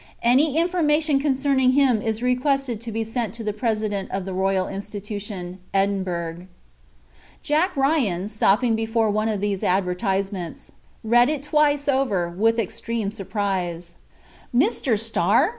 "Any information concerning him is requested to be sent to the President of the Royal Institution, Edinburgh." Jack Ryan, stopping before one of these advertisements, read it twice over, with extreme surprise. "Mr. Starr!"